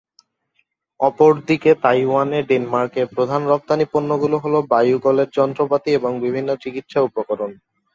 অপরদিকে, তাইওয়ানে ডেনমার্কের প্রধান রপ্তানি পণ্যগুলো হল; বায়ু কলের যন্ত্রপাতি, এবং বিভিন্ন চিকিৎসা উপকরণ।